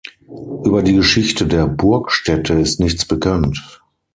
Über die Geschichte der Burgstätte ist nichts bekannt.